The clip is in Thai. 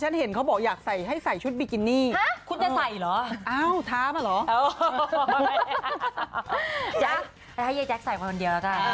ฉันเห็นเขาบอกอยากให้ใส่ชุดบิกินี่